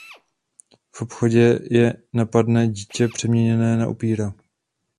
V obchodě je napadne dítě přeměněné na upíra.